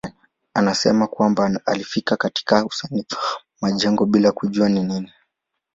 Anasema kwamba alifika katika usanifu majengo bila kujua ni nini.